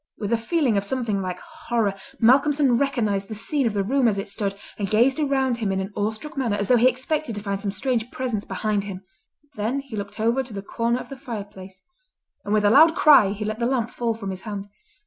With a feeling of something like horror, Malcolmson recognised the scene of the room as it stood, and gazed around him in an awestruck manner as though he expected to find some strange presence behind him. Then he looked over to the corner of the fireplace—and with a loud cry he let the lamp fall from his hand.